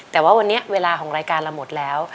แต่ว่าวันนี้เวลาของรายการเราหมดแล้ว